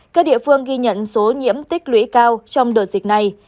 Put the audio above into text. các địa phương ghi nhận số nhiễm tích lũy cao trong đợt dịch này